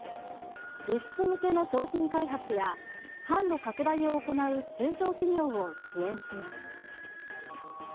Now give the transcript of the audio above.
輸出向けの商品開発や、販路拡大を行う中小企業を支援します。